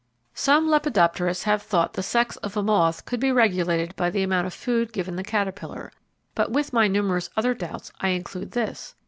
Some lepidopterists have thought the sex of a moth could be regulated by the amount of food given the caterpillar; but with my numerous other doubts I include this.